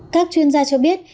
các chuyên gia cho biết